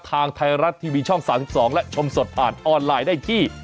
ทางไทยรัฐทีวีช่อง๓๒และชมสดอ่านออนไลน์ได้ที่